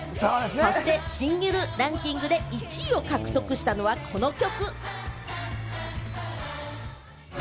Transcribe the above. そしてシングルランキングで１位を獲得したのは、この曲。